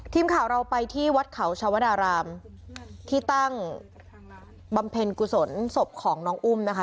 ทีมข่าวเราไปที่วัดเขาชาวดารามที่ตั้งบำเพ็ญกุศลศพของน้องอุ้มนะคะ